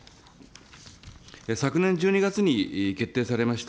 昨年１２月に決定されました